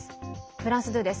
フランス２です。